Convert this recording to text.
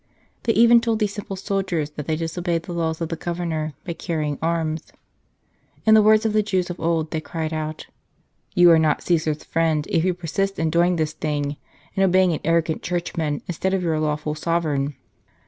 They even told these simple soldiers that they disobeyed the laws of the Governor by carrying arms. In the words of the Jews of old, they cried out :" You are not Caesar s friend if you persist in doing this thing, in obeying an arrogant Churchman instead of your lawful Sovereign."